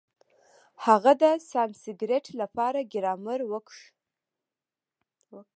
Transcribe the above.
هغه د سانسکرېټ له پاره ګرامر وکېښ.